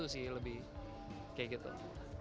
saya lebih kayak gitu sih